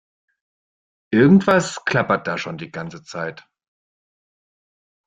Irgendwas klappert da schon die ganze Zeit.